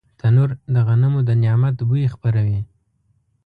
تنور د غنمو د نعمت بوی خپروي